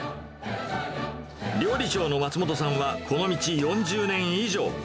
料理長の松元さんは、この道４０年以上。